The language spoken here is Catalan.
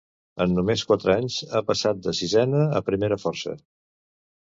en només quatre anys ha passat de sisena a primera força